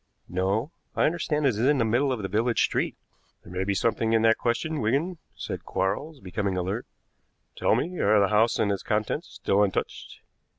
"No. I understand it is in the middle of the village street." "There may be something in that question, Wigan," said Quarles, becoming alert. "Tell me, are the house and its contents still untouched?"